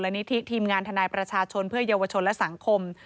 นิธิทีมงานทนายประชาชนเพื่อเยาวชนและสังคม